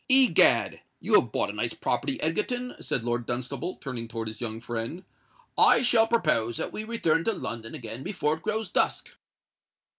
"Egad! you have bought a nice property, Egerton," said Lord Dunstable, turning towards his young friend. "I shall propose that we return to London again before it grows dusk."